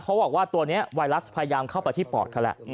เขาบอกว่าตัวนี้ไวรัสพยายามเข้าไปที่ปอดเขาแหละ